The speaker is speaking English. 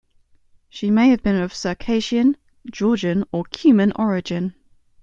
She may have been of Circassian, Georgian, or Cuman origin.